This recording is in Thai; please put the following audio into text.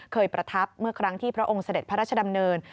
ประทับเมื่อครั้งที่พระองค์เสด็จพระราชดำเนิน